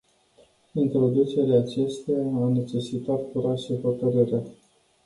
Introducerea acesteia a necesitat curaj și hotărâre.